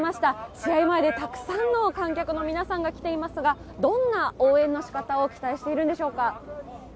試合前でたくさんの観客の皆さんが来ていますがどんな応援のしかたを期待しているんでしょうか。